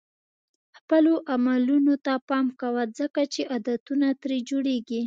خپلو عملونو ته پام کوه ځکه چې عادتونه ترې جوړېږي.